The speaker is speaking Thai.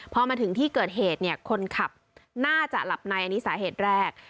พอมาถึงที่เกิดเหตุเนี่ยคนขับน่าจะหลับในอันนี้สาเหตุแรก